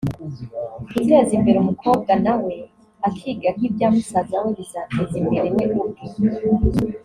Guteza imbere umukobwa nawe akiga nk’ibya musaza we bizateza imbere we ubwe